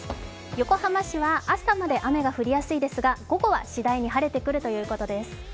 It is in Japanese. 横浜市は朝まで雨が降りやすいですが午後は次第に晴れてくるということです。